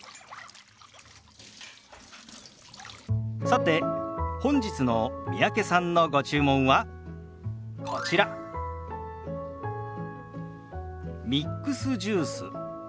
さて本日の三宅さんのご注文はこちらミックスジュース。